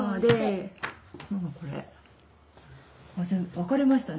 分かれましたね。